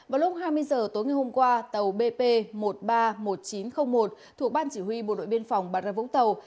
vào lúc hai mươi h tối ngày hôm qua tàu bp một trăm ba mươi một nghìn chín trăm linh một thuộc ban chỉ huy bộ đội biên phòng bà ra vũng tàu